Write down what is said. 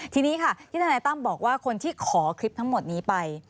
ทีนี้ค่ะที่ทนายตั้มบอกว่าคนที่ขอคลิปทั้งหมดนี้ไป